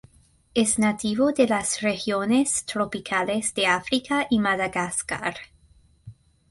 Es nativo de las regiones tropicales de África y Madagascar.